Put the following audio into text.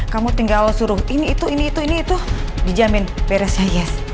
kamu tinggal suruh ini itu ini itu ini itu dijamin beres aja